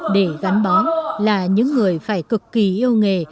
để gắn bó là những người phải cực kỳ yêu nghề